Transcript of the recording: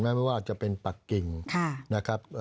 ไม่ว่าจะเป็นปักกิ่งนะครับ